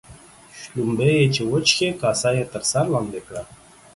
شلومبې چې وچښې ، کاسه يې تر سر لاندي کړه.